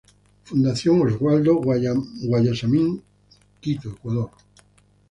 Fundación Oswaldo Guayasamín, Quito, Ecuador.